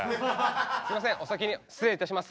すいませんお先に失礼いたします。